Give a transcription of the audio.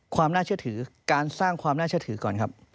ความน่าเชื่อถือการสร้างความน่าเชื่อถือก่อนครับ